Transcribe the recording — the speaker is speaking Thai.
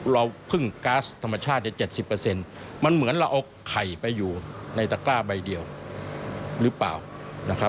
เราพึ่งก๊าซธรรมชาติใน๗๐มันเหมือนเราเอาไข่ไปอยู่ในตะกร้าใบเดียวหรือเปล่านะครับ